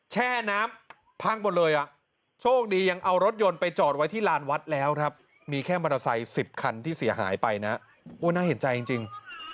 แช่น้ำพังหมดเลยอ่ะโชคดียังเอารถยนต์ไปจอดไว้ที่ลานวัดแล้วครับมีแค่มอเตอร์ไซค์๑๐คันที่เสียหายไปนะโอ้น่าเห็นใจจริง